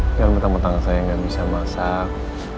jangan bertemu tangan saya yang gak bisa masak